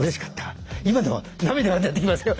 今でも涙が出てきますよ